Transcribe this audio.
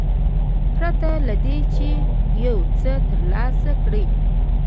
پرته له دې چې یو څه ترلاسه کړي.